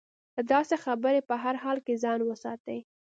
له داسې خبرې په هر حال کې ځان وساتي.